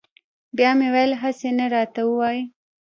بیا مې ویل هسې نه راته ووایي.